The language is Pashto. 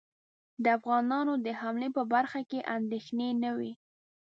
د افغانانو د حملې په برخه کې اندېښنې نه وې.